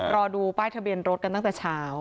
รอดูป้ายทะเบียนรถกันตั้งแต่เช้า